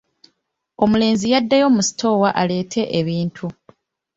Omulenzi yaddayo mu sitoowa aleete ebintu.